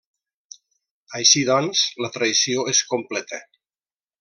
Així doncs, la traïció és completa.